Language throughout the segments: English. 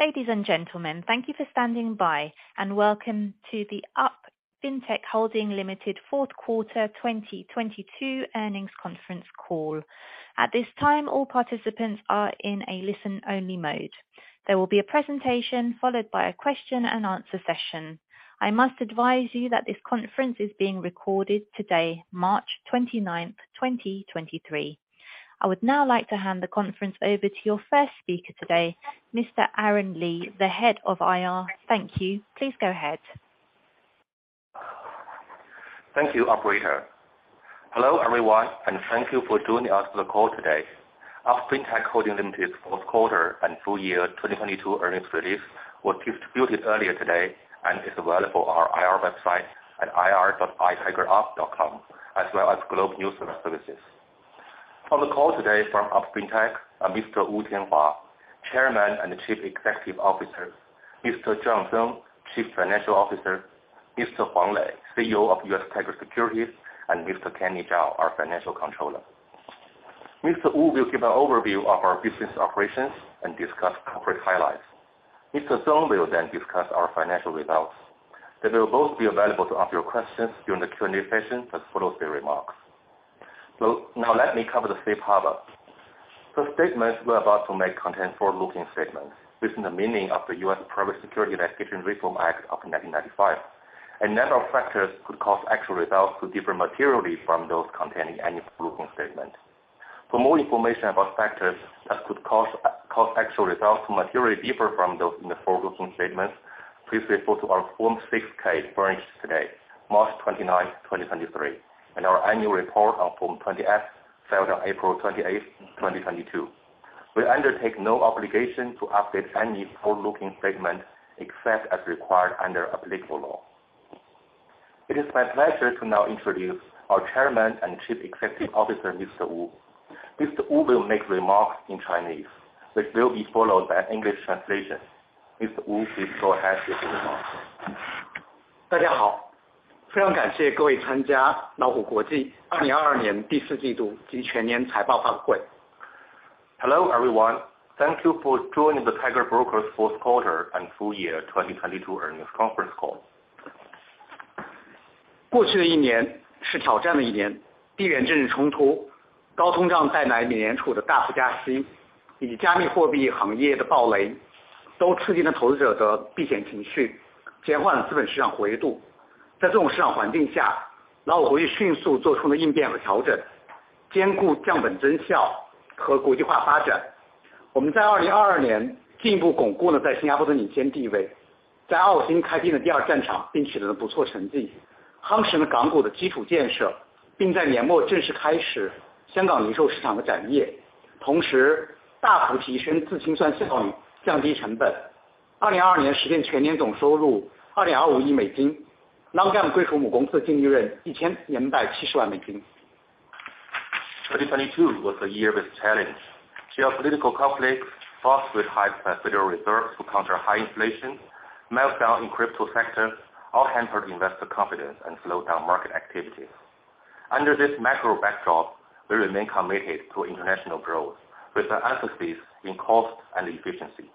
Ladies and gentlemen, thank you for standing by, and welcome to the UP Fintech Holding Limited fourth quarter 2022 earnings conference call. At this time, all participants are in a listen-only mode. There will be a presentation followed by a question and answer session. I must advise you that this conference is being recorded today, March 29th, 2023. I would now like to hand the conference over to your first speaker today, Mr. Aaron Lee, the Head of IR. Thank you. Please go ahead. Thank you, operator. Hello, everyone, and thank you for joining us for the call today. UP Fintech Holding Limited fourth quarter and full year 2022 earnings release was distributed earlier today and is available on our IR website at ir.itigerup.com, as well as global news services. On the call today from UP Fintech are Mr. Wu Tianhua, Chairman and Chief Executive Officer, Mr. John Zeng, Chief Financial Officer, Mr. Huang Lei, CEO of US Tiger Securities, and Mr. Kenny Zhao, our Financial Controller. Mr. Wu will give an overview of our business operations and discuss corporate highlights. Mr. Zeng will then discuss our financial results. They will both be available to answer your questions during the Q&A session that follows their remarks. Now let me cover the safe harbor. The statements we are about to make contain forward-looking statements within the meaning of the U.S. Private Securities Litigation Reform Act of 1995. A number of factors could cause actual results to differ materially from those containing any forward-looking statement. For more information about factors that could cause actual results to materially differ from those in the forward-looking statements, please refer to our Form 6-K furnished today, March 29th, 2023, and our annual report on Form 20-F filed on April 28th, 2022. We undertake no obligation to update any forward-looking statement except as required under applicable law. It is my pleasure to now introduce our Chairman and Chief Executive Officer, Mr. Wu. Mr. Wu will make remarks in Chinese, which will be followed by an English translation. Mr. Wu, please go ahead with your remarks. Hello, everyone. Thank you for joining the Tiger Brokers fourth quarter and full year 2022 earnings conference call. 2022 was a year with challenge. Geopolitical conflicts, fights with high Federal Reserve to counter high inflation, meltdown in crypto sectors all hampered investor confidence and slowed down market activities. Under this macro backdrop, we remain committed to international growth with an emphasis in cost and efficiency.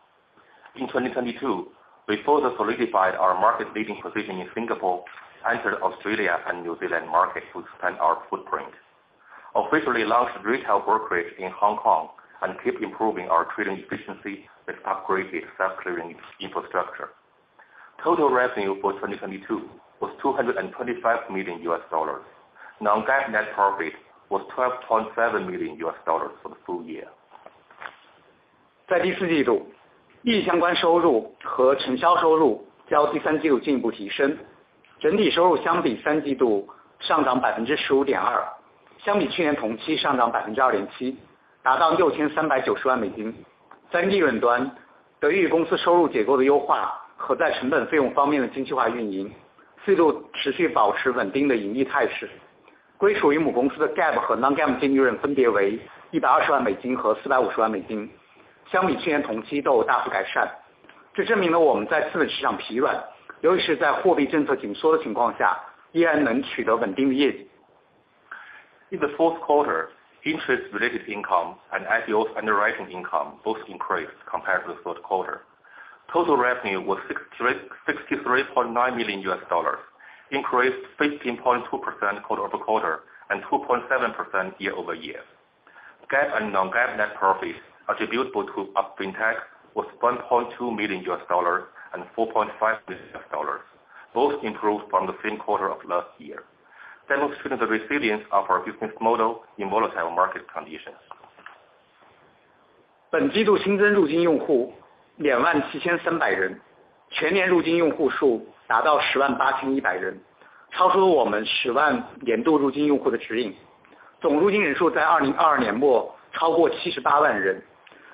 In 2022, we further solidified our market leading position in Singapore, entered Australia and New Zealand market to expand our footprint. Officially launched retail brokerage in Hong Kong and keep improving our trading efficiency with upgraded stock clearing infrastructure. Total revenue for 2022 was $225 million. Non-GAAP net profit was $12.7 million for the full year. In the fourth quarter, interest related income and IPOs underwriting income both increased compared to the third quarter. Total revenue was $63.9 million, increased 15.2% quarter-over-quarter and 2.7% year-over-year. GAAP and non-GAAP net profits attributable to UP Fintech was $1.2 million and $4.5 million. Both improved from the same quarter of last year, demonstrating the resilience of our business model in volatile market conditions.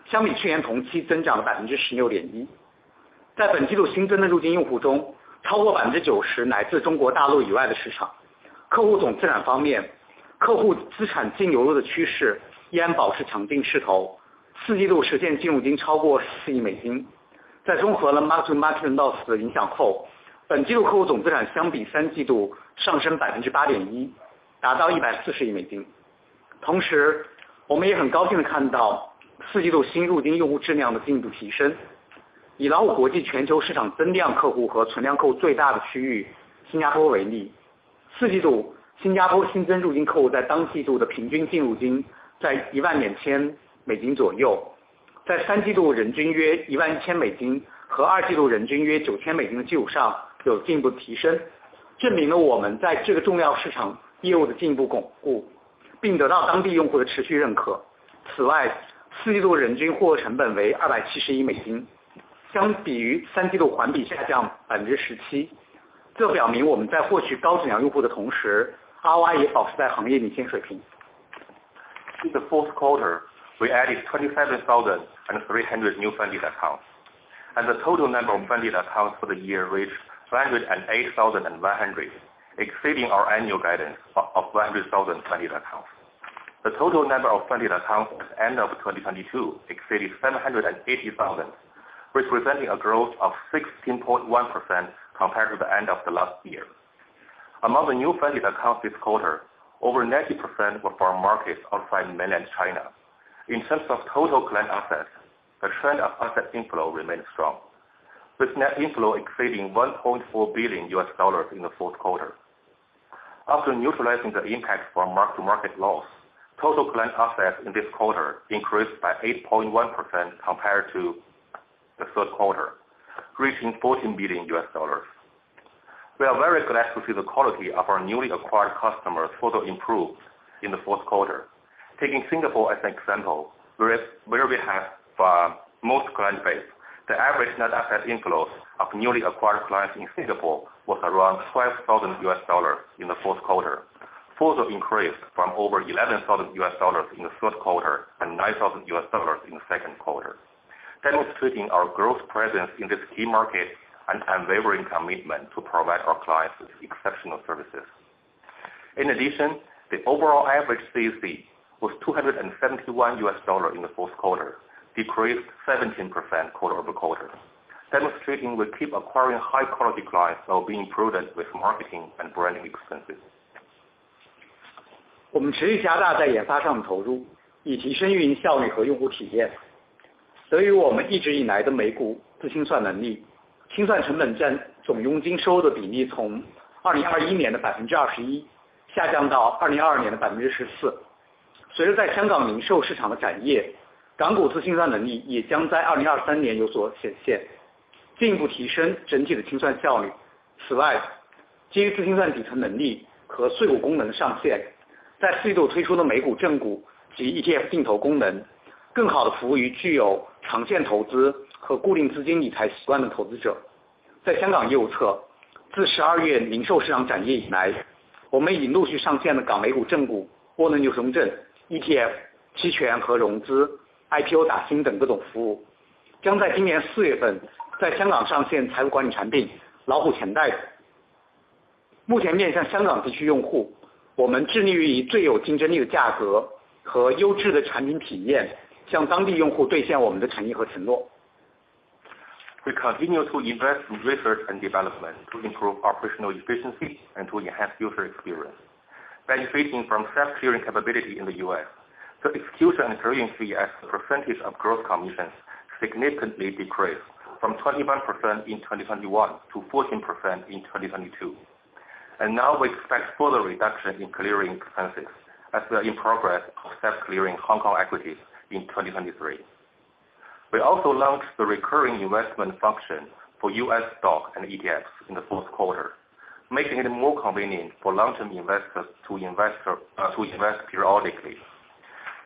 同时我们也很高兴地看到四季度新入金用户质量的进一步提升。以老虎国际全球市场增量客户和存量客户最大的区域新加坡为 例， 四季度新加坡新增入金客户在当季度的平均净入金在一万两千美金左 右， 在三季度人均约一万一千美金和二季度人均约九千美金的基础上有进一步的提 升， 证明了我们在这个重要市场业务的进一步巩 固， 并得到当地用户的持续认可。此 外， 四季度人均获客成本为二百七十一美 金， 相比于三季度环比下降百分之十七。这表明我们在获取高质量用户的同时 ，ARPU 也保持在行业领先水平。In the fourth quarter, we added 27,300 new funding accounts and the total number of funding accounts for the year reached 508,100 exceeding our annual guidance of 500,000 funding accounts. The total number of funding accounts at the end of 2022 exceeded 780,000, representing a growth of 16.1% compared to the end of the last year. Among the new funding accounts this quarter, over 90% were from markets outside Mainland China. In terms of total client assets, the trend of asset inflow remained strong, with net inflow exceeding $1.4 billion in the fourth quarter. After neutralizing the impact from mark to market loss, total client assets in this quarter increased by 8.1% compared to the third quarter, reaching $14 billion. We are very glad to see the quality of our newly acquired customers further improved in the fourth quarter. Taking Singapore as an example, where we have most client base, the average net asset inflows of newly acquired clients in Singapore was around $5,000 in the fourth quarter, further increased from over $11,000 in the third quarter and $9,000 in the second quarter. Demonstrating our growth presence in this key market and unwavering commitment to provide our clients with exceptional services. In addition, the overall average CAC was $271 in the fourth quarter, decreased 17% quarter-over-quarter. Demonstrating we keep acquiring high quality clients while being prudent with marketing and branding expenses. 我们持续加大在研发上的投 入， 以提升运营效率和用户体验。得益于我们一直以来的美股自清算能 力， 清算成本占总佣金收入的比例从2021年的百分之二十一下降到2022年的百分之十四。随着在香港零售市场的展 业， 港股自清算能力也将在2023年有所显 现， 进一步提升整体的清算效率。此 外， 基于自清算底层能力和税务功能的上 线， 在四季度推出的美股正股及 ETF 定投功 能， 更好地服务于具有长线投资和固定资金理财习惯的投资者。在香港业务 侧， 自十二月零售市场展业以 来， 我们已陆续上线了港美股正股、沃伦牛熊证、ETF、期权和融资、IPO 打新等各种服务。将在今年四月份在香港上线财富管理产品老虎钱袋子。目前面向香港地区用 户， 我们致力于以最有竞争力的价格和优质的产品体验向当地用户兑现我们的诚意和承诺。We continue to invest in research and development to improve operational efficiency and to enhance user experience. Benefiting from self-clearing capability in the U.S., the execution and clearing fee as a percentage of gross commissions significantly decreased from 21% in 2021 to 14% in 2022. Now we expect further reduction in clearing expenses as we are in progress of self-clearing Hong Kong equities in 2023. We also launched the recurring investment function for U.S. stock and ETFs in the fourth quarter, making it more convenient for long-term investors to invest periodically.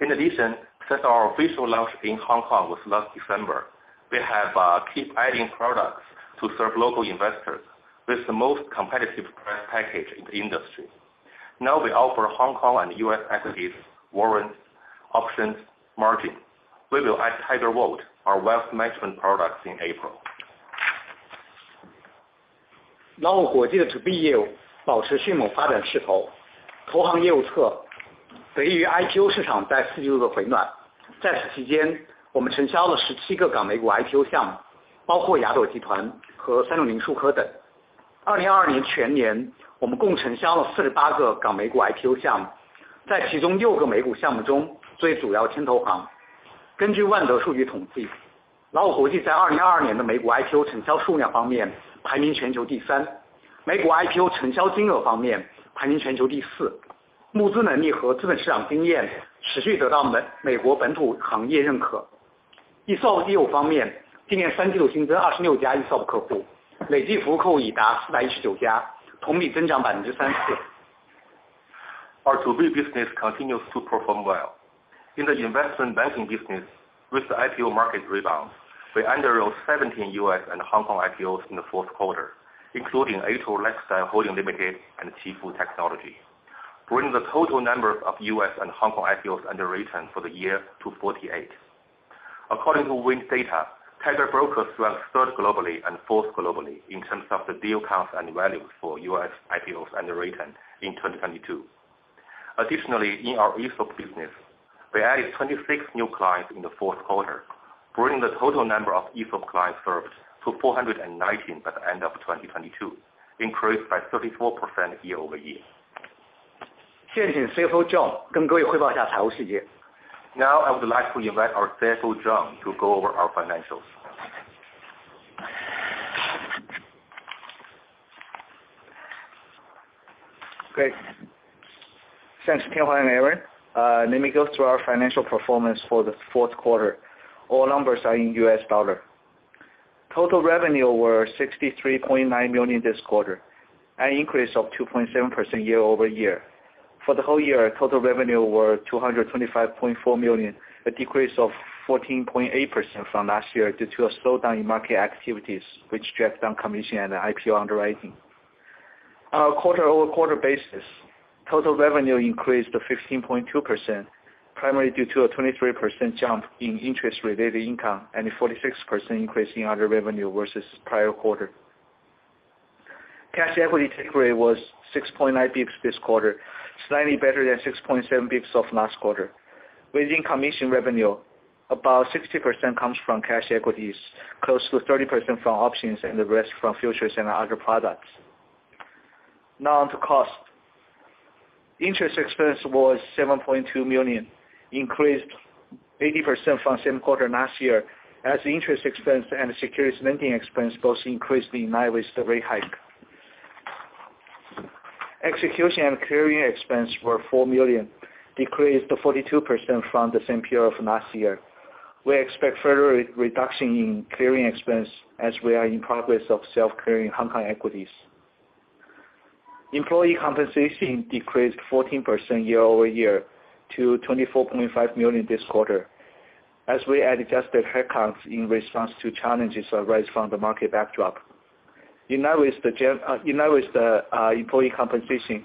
In addition, since our official launch in Hong Kong was last December, we have keep adding products to serve local investors with the most competitive price package in the industry. Now we offer Hong Kong and U.S. equities, warrants, options, margin. We will add Tiger Vault, our wealth management products in April. 老虎国际的投行业务保持迅猛发展势头。投行业务 侧， 得益于 IPO 市场在四季度的回暖，在此期间我们承销了十七个港美股 IPO 项 目， 包括雅朵集团和三六零数科等。2022 年全 年， 我们共承销了四十八个港美股 IPO 项 目， 在其中六个美股项目 中， 作为主要牵头行。根据万得数据统 计， 老虎国际在2022年的美股 IPO 承销数量方面排名全球第 三， 美股 IPO 承销金额方面排名全球第四。募资能力和资本市场经验持续得到美-美国本土行业认可。ESOP 业务方 面， 今年三季度新增二十六家 ESOP 客户，累计服务客户已达四百一十九 家， 同比增长百分之三十四。Our 投行业务 continues to perform well. In the investment banking business, with the IPO market rebound, we underwrote 17 U.S. and Hong Kong IPOs in the fourth quarter, including Atour Lifestyle Holdings Limited and Qifu Technology, bringing the total number of U.S. and Hong Kong IPOs underwritten for the year to 48. According to Wind data, Tiger Brokers ranked third globally and fourth globally in terms of the deal counts and value for U.S. IPOs underwritten in 2022. Additionally, in our ESOP business, we added 26 new clients in the fourth quarter, bringing the total number of ESOP clients served to 419 by the end of 2022, increased by 34% year-over-year. Now, I would like to invite our CFO, John, to go over our financials. Great. Thanks, Tianhua and Aaron. Let me go through our financial performance for the fourth quarter. All numbers are in U.S. dollar. Total revenue were $63.9 million this quarter, an increase of 2.7% year-over-year. For the whole year, total revenue were $225.4 million, a decrease of 14.8% from last year due to a slowdown in market activities, which dragged down commission and IPO underwriting. On a quarter-over-quarter basis, total revenue increased to 15.2%, primarily due to a 23% jump in interest related income and a 46% increase in other revenue versus prior quarter. Cash equity take rate was 6.9 bps this quarter, slightly better than 6.7 bps of last quarter. Within commission revenue, about 60% comes from cash equities, close to 30% from options and the rest from futures and other products. On to cost. Interest expense was $7.2 million, increased 80% from same quarter last year as interest expense and securities lending expense both increased in line with the rate hike. Execution and clearing expense were $4 million, decreased to 42% from the same period of last year. We expect further re-reduction in clearing expense as we are in progress of self-clearing Hong Kong equities. Employee compensation decreased 14% year-over-year to $24.5 million this quarter as we adjusted headcounts in response to challenges arise from the market backdrop. In line with the employee compensation,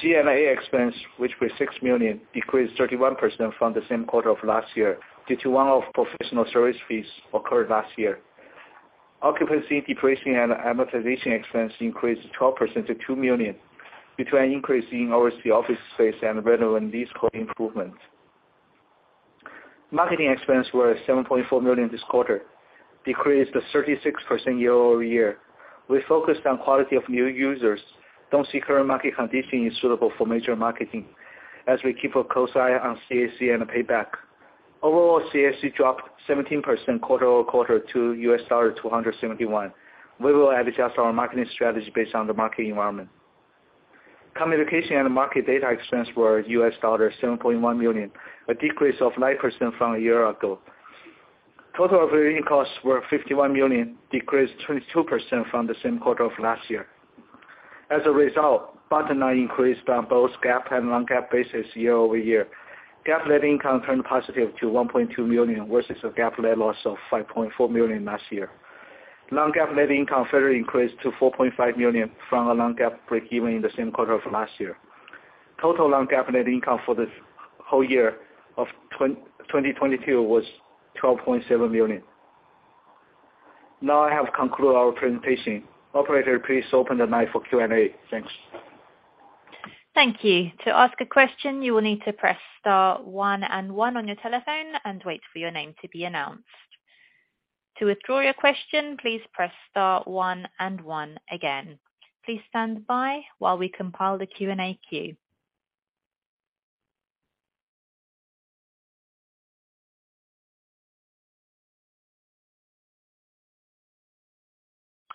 G&A expense, which was $6 million, decreased 31% from the same quarter of last year due to one-off professional service fees occurred last year. Occupancy, depreciation, and amortization expense increased 12% to $2 million between increasing our office space and revenue in these core improvements. Marketing expense were $7.4 million this quarter, decreased 36% year-over-year. We focused on quality of new users, don't see current market conditioning suitable for major marketing as we keep a close eye on CAC and payback. Overall, CAC dropped 17% quarter-over-quarter to $271. We will adjust our marketing strategy based on the market environment. Communication and market data expense were $7.1 million, a decrease of 9% from a year ago. Total operating costs were $51 million, decreased 22% from the same quarter of last year. As a result, bottom line increased on both GAAP and Non-GAAP basis year-over-year. GAAP net income turned positive to $1.2 million versus a GAAP net loss of $5.4 million last year. Non-GAAP net income further increased to $4.5 million from a Non-GAAP breakeven in the same quarter of last year. Total Non-GAAP net income for this whole year of 2022 was $12.7 million. Now I have concluded our presentation. Operator, please open the line for Q&A. Thanks. Thank you. To ask a question, you will need to press star one and one on your telephone and wait for your name to be announced. To withdraw your question, please press star one and one again. Please stand by while we compile the Q&A queue.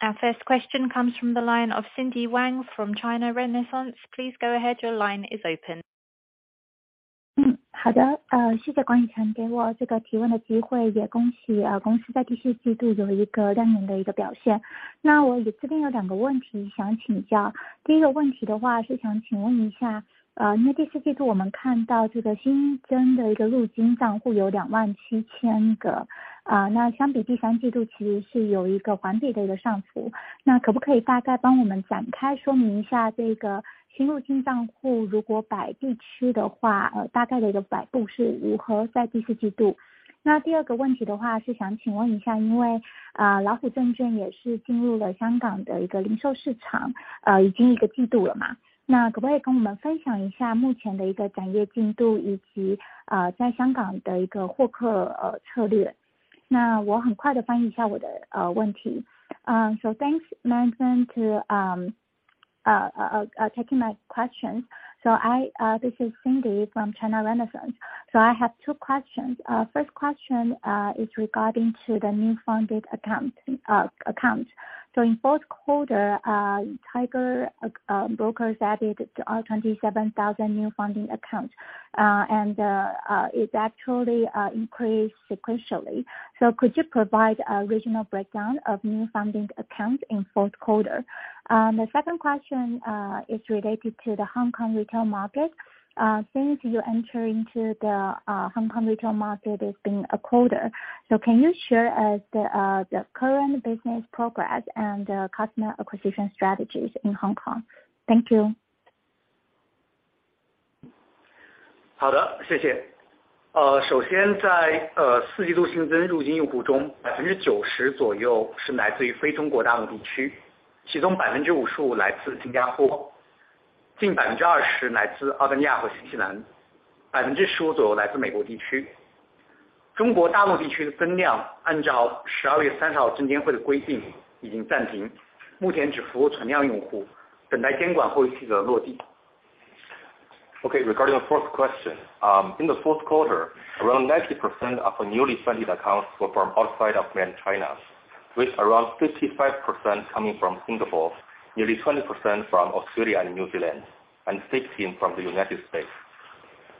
Our first question comes from the line of Cindy Wang from China Renaissance. Please go ahead. Your line is open. Thanks, Tiger, to taking my questions. I, this is Cindy from China Renaissance. I have two questions. First question is regarding to the new funded account accounts. In fourth quarter, Tiger Brokers added 27,000 new funding accounts and it actually increased sequentially. Could you provide a regional breakdown of new funding accounts in fourth quarter? The second question is related to the Hong Kong retail market. Since you enter into the Hong Kong retail market, it's been a quarter. Can you share the current business progress and customer acquisition strategies in Hong Kong? Thank you. 呃首先在呃四季度新增入金用户中百分之九十左右是来自于非中国大陆地区其中百分之五十五来自新加坡近百分之二十来自澳大利亚和新西兰百分之十五左右来自美国地区中国大陆地区的增量按照十二月三号证监会的规定已经暂停目前只服务存量用户等待监管后续的落地 OK。Regarding the fourth question. In the fourth quarter around 90% of newly funded accounts were from outside of mainland China, with around 55% coming from Singapore, nearly 20% from Australia and New Zealand, and 16% from the United States.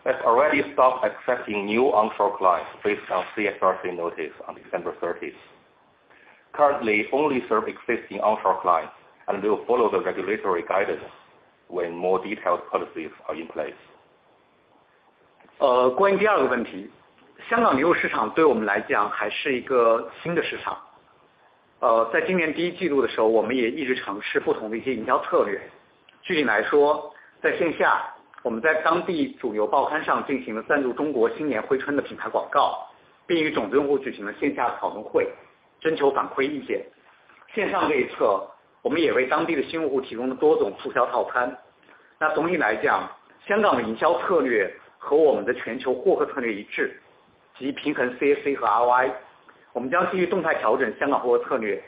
We have already stopped accepting new offshore clients based on CSRC notice on December 30th. Currently only serve existing offshore clients and will follow the regulatory guidance when more detailed policies are in place. 呃关于第二个问题香港旅游市场对我们来讲还是一个新的市场呃在今年第一季度的时候我们也一直尝试不同的一些营销策略具体来说在线下我们在当地主流报刊上进行了赞助中国新年回春的品牌广告并与种子用户进行了线下的讨论会征求反馈意见。线上类侧我们也为当地的新用户提供了多种促销套餐那总体来讲香港的营销策略和我们的全球获客策略一致即平衡 CAC 和 ROI 我们将继续动态调整香港获客策略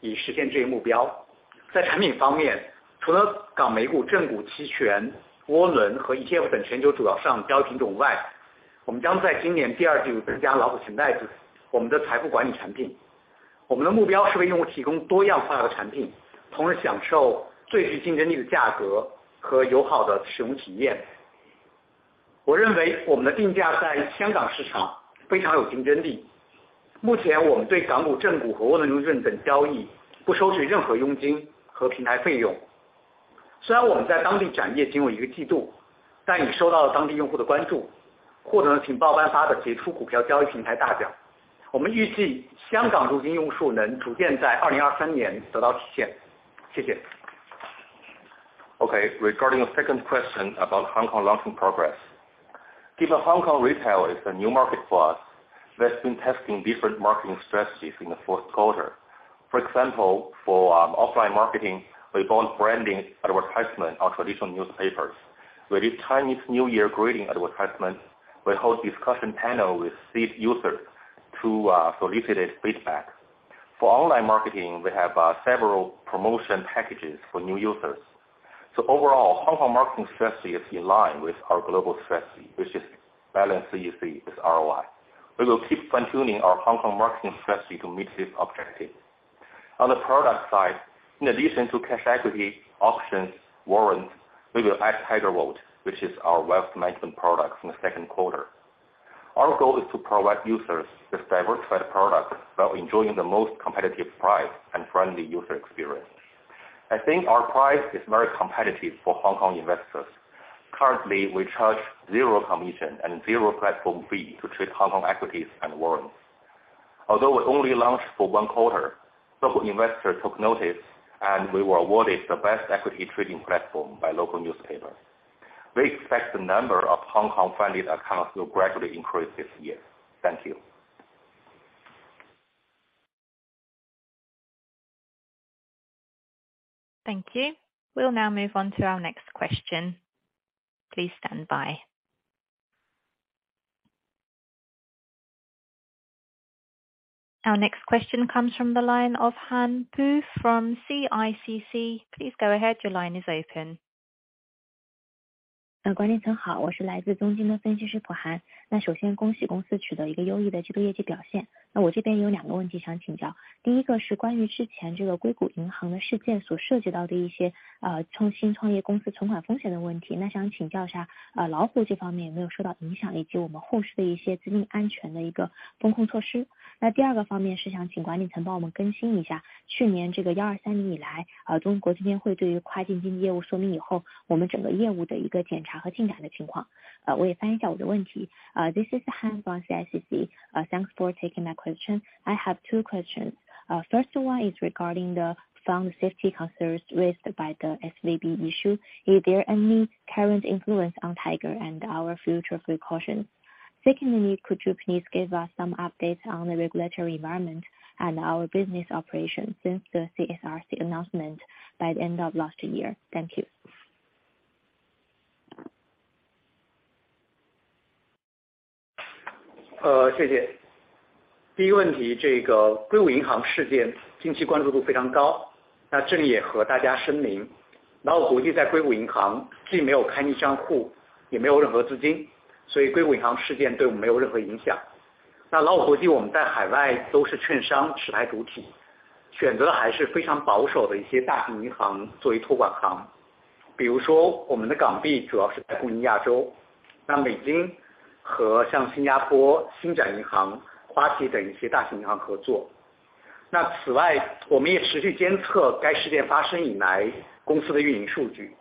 以实现这一目标。在产品方面除了港美股、正股、期权、窝轮和 ETF 等全球主要上标品种外我们将在今年第二季度增加老虎钱袋子我们的财富管理产品我们的目标是为用户提供多样化的产品同时享受最具竞争力的价格和友好的使用体验。我认为我们的定价在香港市场非常有竞争力目前我们对港股正股和窝轮认证等交易不收取任何佣金和平台费用。虽然我们在当地展业仅有一个季度但已受到了当地用户的关注获得了《苹果日报》颁发的杰出股票交易平台大奖。我们预计香港入金用户数能逐渐在2023年得到体现。谢谢。OK。Regarding the second question about Hong Kong launching progress. Given Hong Kong retail is a new market for us. We have been testing different marketing strategies in the fourth quarter, for example, for offline marketing. We bought branding advertisement on traditional newspapers. We did Chinese New Year greeting advertisements. We held discussion panel with seed users to solicit feedback. For online marketing, we have several promotion packages for new users. Overall Hong Kong marketing strategy is in line with our global strategy, which is balance CAC with ROI. We will keep fine tuning our Hong Kong marketing strategy to meet this objective. On the product side. In addition to cash equity options warrants, we will add Tiger Wallet, which is our wealth management product in the second quarter. Our goal is to provide users with diversified products while enjoying the most competitive price and friendly user experience. I think our price is very competitive for Hong Kong investors. Currently, we charge 0 commission and 0 platform fee to treat Hong Kong equities and warrants. Although we only launched for one quarter, local investors took notice and we were awarded the best equity trading platform by local newspaper. We expect the number of Hong Kong funded accounts will gradually increase this year. Thank you. Thank you. We'll now move on to our next question. Please stand by. Our next question comes from the line of Han Pu from CICC. Please go ahead. Your line is open. 呃管理层好我是来自中金的分析师普韩。那首先恭喜公司取得一个优异的季度业绩表现。那我这边有两个问题想请教第一个是关于之前这个硅谷银行的事件所涉及到的一些呃新创业公司存款风险的问题那想请教下啊老虎这方面有没有受到影响以及我们后续的一些资金安全的一个风控措施。那第二个方面是想请管理层帮我们更新一下去年这个1230以来啊中国证监会对于跨境经纪业务说明以后我们整个业务的一个检查和进展的情况。呃我也翻译一下我的问题。Uh this is Han Pu from CICC, uh thanks for taking my question. I have 2 questions. First one is regarding the fund safety concerns raised by the SVB issue. Is there any current influence on Tiger and our future precautions? Could you please give us some updates on the regulatory environment and our business operations since the CSRC announcement by the end of last year? Thank you. 呃谢谢。第一个问题这个硅谷银行事件近期关注度非常高那这里也和大家声明老虎国际在硅谷银行既没有开立账户也没有任何资金所以硅谷银行事件对我们没有任何影响。那老虎国际我们在海外都是券商持牌主体选择的还是非常保守的一些大型银行作为托管行比如说我们的港币主要是在富尼亚洲那美金和像新加坡星展银行、花旗等一些大型银行合作。那此外我们也持续监测该事件发生以来公司的运营数据。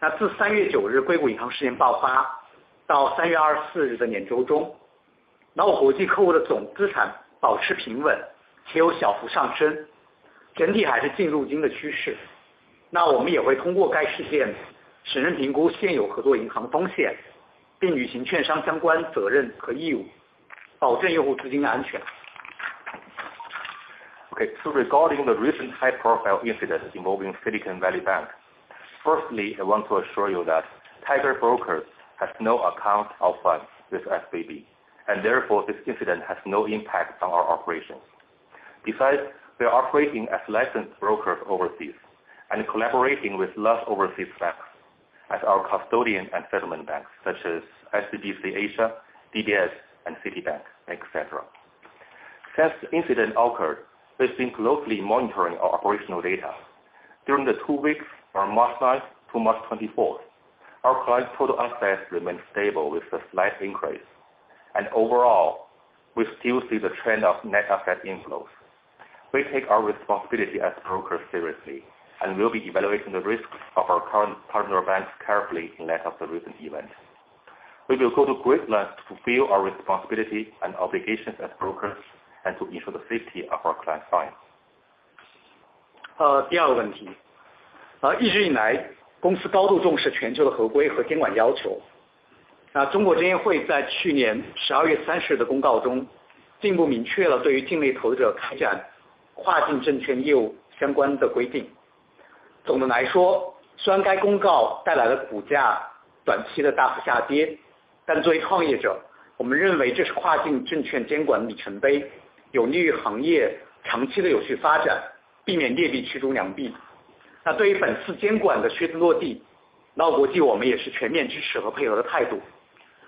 那自3月9日硅谷银行事件爆发到3月24日的年终中老虎机客户的总资产保持平稳且有小幅上升整体还是净入金的趋 势， 那我们也会通过该事件审慎评估现有合作银行风 险， 并履行券商相关责任和义 务， 保证用户资金的安全。Regarding the recent high-profile incident involving Silicon Valley Bank. Firstly, I want to assure you that Tiger Brokers has no account of funds with SVB, and therefore this incident has no impact on our operations. Besides, we are operating as licensed brokers overseas and collaborating with large overseas banks as our custodian and settlement banks, such as SDPC Pneumatics, DBS, and Citibank, et cetera. Since the incident occurred, we've been closely monitoring our operational data. During the two weeks from March 9th to March 24th, our clients' total assets remained stable with a slight increase. Overall, we still see the trend of net asset inflows. We take our responsibility as brokers seriously, and we'll be evaluating the risks of our current partner banks carefully in light of the recent events. We will go to great lengths to fulfill our responsibility and obligations as brokers and to ensure the safety of our client funds. 呃， 第二个问题。呃， 一直以 来， 公司高度重视全球的合规和监管要求。那中国证监会在去年十二月三十日的公告 中， 进一步明确了对于境内投资者开展跨境证券业务相关的规定。总的来 说， 虽然该公告带来了股价短期的大幅下 跌， 但作为创业 者， 我们认为这是跨境证券监管里程 碑， 有利于行业长期的有序发 展， 避免劣币驱逐良币。那对于本次监管的规则落 地， 老虎国际我们也是全面支持和配合的态度。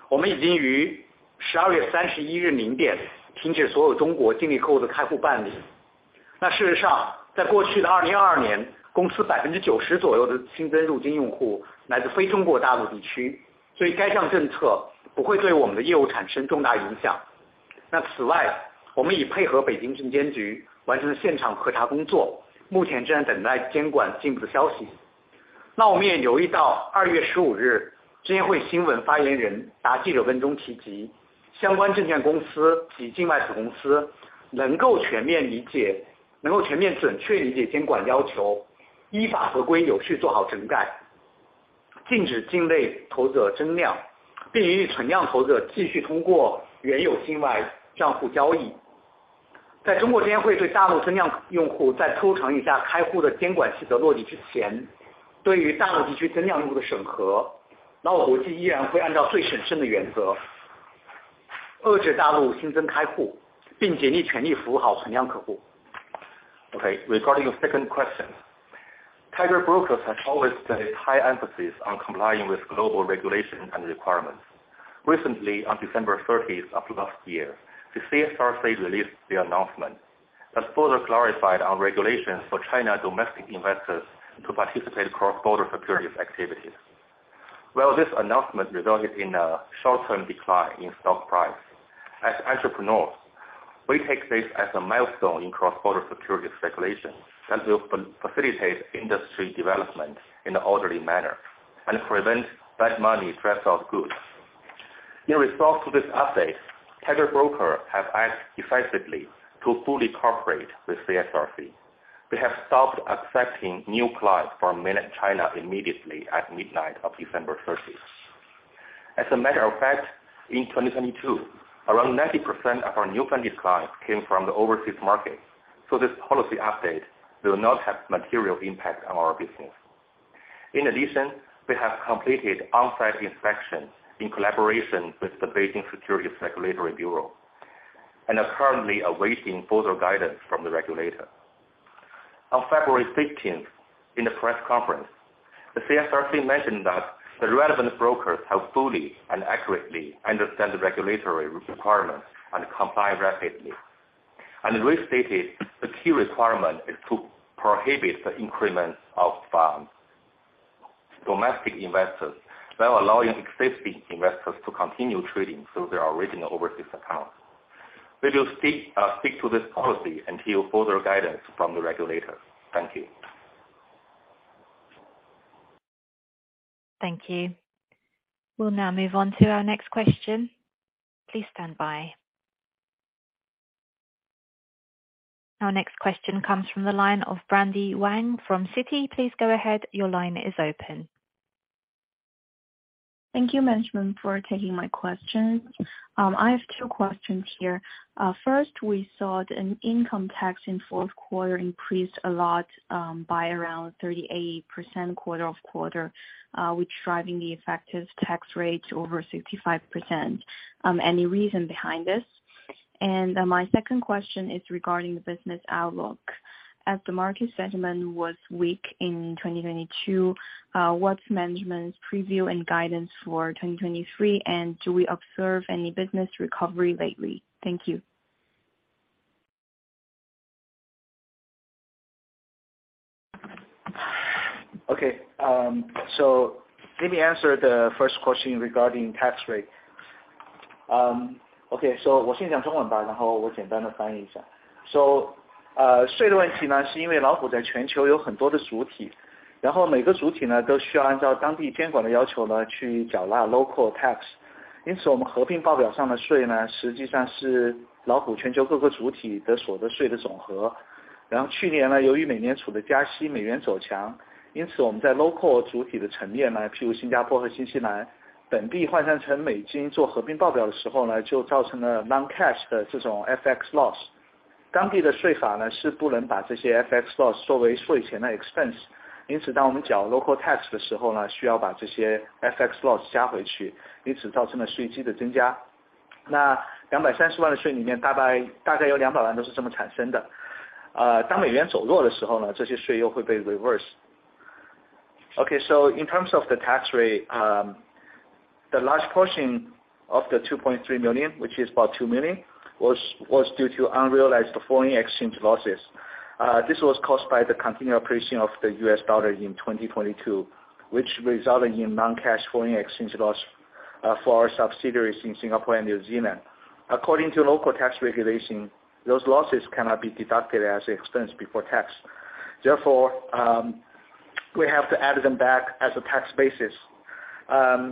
我们已经于十二月三十一日零点停止所有中国境内客户的开户办理。那事实 上， 在过去的二零二二 年， 公司百分之九十左右的新增入金用户来自非中国大陆地 区， 所以该项政策不会对我们的业务产生重大影响。那此 外， 我们已配合北京证监局完成了现场核查工作，目前正在等待监管进一步的消息。那我们也留意 到， 二月十五 日， 证监会新闻发言人答记者问中提 及， 相关证券公司及境外子公司能够全面理 解， 能够全面准确理解监管要 求， 依法合规有序做好整 改， 禁止境内投资者增 量， 并允许存量投资者继续通过原有境外账户交易。在中国证监会对大陆增量用户在抽查一下开户的监管规则落地之 前， 对于大陆地区增量用户的审 核， 老虎国际依然会按照最审慎的原 则， 遏制大陆新增开 户， 并竭力全力服务好存量客户。Okay. Regarding your second question, Tiger Brokers has always placed high emphasis on complying with global regulations and requirements. Recently, on December 30th of last year, the CSRC released the announcement that further clarified our regulations for China domestic investors to participate in cross-border securities activities. While this announcement resulted in a short-term decline in stock price, as entrepreneurs, we take this as a milestone in cross-border securities regulation that will facilitate industry development in an orderly manner and prevent bad money drive out good. In response to this update, Tiger Brokers have acted decisively to fully cooperate with CSRC. We have stopped accepting new clients from mainland China immediately at midnight of December 30th. As a matter of fact, in 2022, around 90% of our new funding clients came from the overseas market, so this policy update will not have material impact on our business. In addition, we have completed on-site inspections in collaboration with the Beijing Securities Regulatory Bureau, and are currently awaiting further guidance from the regulator. On February 15th, in a press conference, the CSRC mentioned that the relevant brokers have fully and accurately understand the regulatory requirements and comply rapidly, and restated the key requirement is to prohibit the increment of domestic investors, while allowing existing investors to continue trading through their original overseas accounts. We will stick to this policy until further guidance from the regulator. Thank you. Thank you. We'll now move on to our next question. Please stand by. Our next question comes from the line of Brandy Wang from Citi. Please go ahead. Your line is open. Thank you, management, for taking my questions. I have two questions here. First, we saw an income tax in fourth quarter increased a lot, by around 38% quarter-over-quarter, which driving the effective tax rate to over 65%. Any reason behind this? My second question is regarding the business outlook. As the market sentiment was weak in 2022, what's management's preview and guidance for 2023? Do we observe any business recovery lately? Thank you. Okay. Let me answer the first question regarding tax rate. Okay. 我先讲中文 吧， 然后我简单地翻译一下。税的问题 呢， 是因为老虎在全球有很多的主 体， 然后每个主体呢都需要按照当地监管的要求呢去缴纳 local tax. 我们合并报表上的税呢，实际上是 Tiger 全球各个主体的所得税的总和。去年呢，由于美联储的加息，美元走强，我们在 local 主体的层面呢，譬如新加坡和新西兰，本地换算成 USD 做合并报表的时候呢，就造成了 non-cash 的这种 FX loss。当地的税法呢，是不能把这些 FX loss 作为税前的 expense，当我们缴 local tax 的时候呢，需要把这些 FX loss 加回去，造成了税基的增加。$2.3 million的税里面，大概有 $2 million都是这么产生的。当美元走弱的时候呢，这些税又会被 reverse。In terms of the tax rate, the last portion of the $2.3 million, which is about $2 million, was due to unrealized FX losses. This was caused by the continued appreciation of the U.S. Dollar in 2022, which resulted in non-cash foreign exchange loss for our subsidiaries in Singapore and New Zealand. According to local tax regulation, those losses cannot be deducted as expense before tax. Therefore, we have to add them back as a tax basis,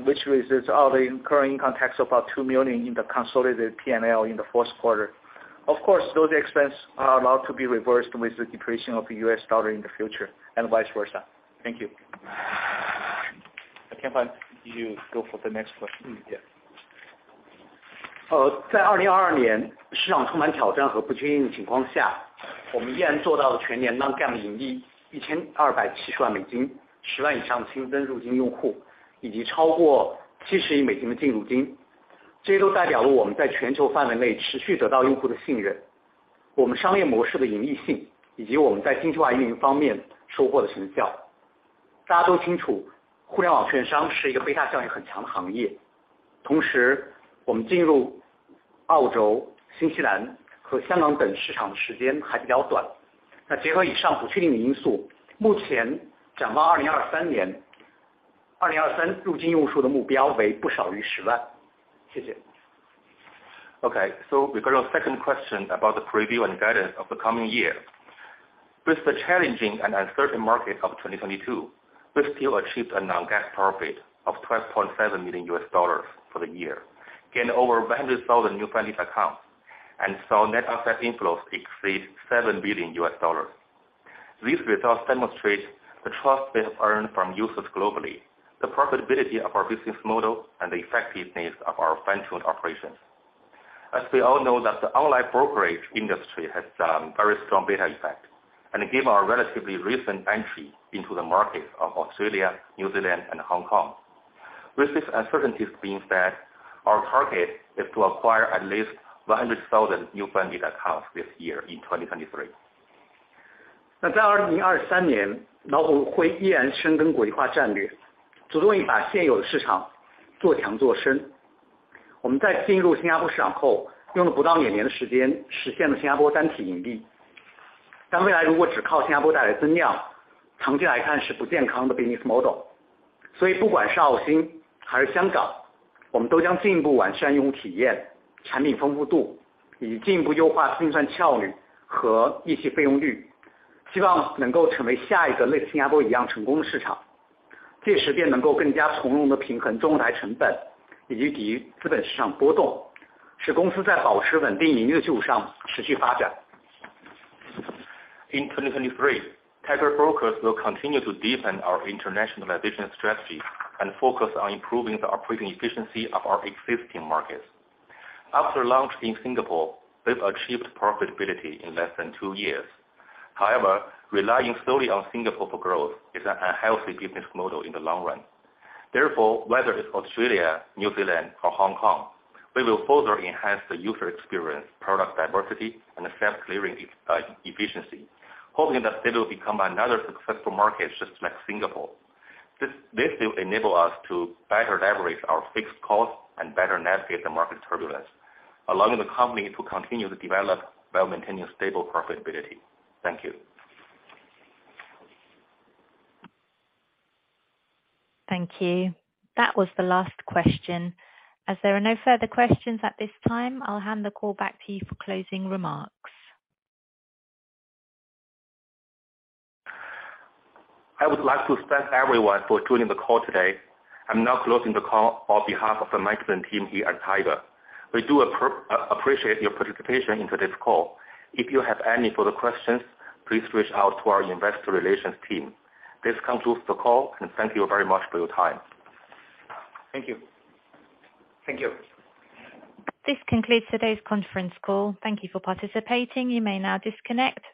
which results all the incurring contacts about $2 million in the consolidated PNL in the fourth quarter. Of course, those expense are allowed to be reversed with the depreciation of the U.S. dollar in the future and vice versa. Thank you. Tianhua, you go for the next question. 在2022 市场充满挑战和不确定的情况 下， 我们依然做到了全年 non-GAAP 盈利 $12.7 million， 100,000+ 新增入金用户， 以及超过 $7 billion 的净入金。这些都代表了我们在全球范围内持续得到用户的 信任， 我们商业模式的盈利 性， 以及我们在精细化运营方面收获的成效。大家都 清楚， 互联网券商是一个 beta effect 很强的行业。同时我们进入澳洲、新西兰和香港等市场的时间还比较短。结合以上不确定的 因素， 目前展望 2023， 2023 入金用户数的目标为不少于 100,000。谢谢。Okay. Regarding second question about the preview and guidance of the coming year. With the challenging and uncertain market of 2022, we still achieved a Non-GAAP profit of $12.7 million for the year. Gained over 100,000 new funding accounts and saw net asset inflows exceed $7 billion. These results demonstrate the trust we have earned from users globally, the profitability of our business model and the effectiveness of our financial operations. As we all know that the online brokerage industry has some very strong beta effect, and given our relatively recent entry into the market of Australia, New Zealand and Hong Kong, with these uncertainties means that our target is to acquire at least 100,000 new funding accounts this year in 2023. 在2023 年， Tiger 会依然深耕国际化战 略， 主动把现有的市场做强做深。我们在进入 Singapore 市场 后， 用了不到2年的时间实现了 Singapore 单体盈利。未来如果只靠 Singapore 带来增 量， 长期来看是不健康的 business model。不管是 ANZ 还是 Hong Kong， 我们都将进一步完善用户体 验， 产品丰富 度， 以进一步优化清算效率和议题费用 率， 希望能够成为下一个类似 Singapore 一样成功的市 场， 届时便能够更加从容地平衡中台成 本， 以及抵御资本市场波 动， 使公司在保持稳定盈利的基础上持续发展。In 2023, Tiger Brokers will continue to deepen our internationalization strategy and focus on improving the operating efficiency of our existing markets. After launching Singapore, we've achieved profitability in less than 2 years. Relying solely on Singapore for growth is an unhealthy business model in the long run. Whether it's Australia, New Zealand, or Hong Kong, we will further enhance the user experience, product diversity and self-clearing efficiency, hoping that they will become another successful market just like Singapore. This will enable us to better leverage our fixed cost and better navigate the market turbulence, allowing the company to continue to develop while maintaining stable profitability. Thank you. Thank you. That was the last question. As there are no further questions at this time, I'll hand the call back to you for closing remarks. I would like to thank everyone for joining the call today. I'm now closing the call on behalf of the management team here at Tiger. We do appreciate your participation into this call. If you have any further questions, please reach out to our investor relations team. This concludes the call and thank you very much for your time. Thank you. Thank you. This concludes today's conference call. Thank you for participating. You may now disconnect.